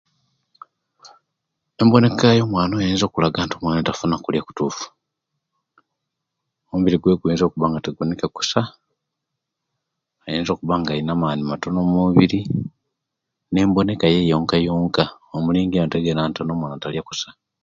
Nemboneka eyo mwaana oyo esobola okulaga nti omwaana tafuna okulia okutuufu, omubiri gwe guyiinza okuba nga teguwoneka okusa, ayiinza okuba nga alina amaani matono omumubiri, nemboneka yee yonka yonka omulingirira yena ntono omwaana talia kusa.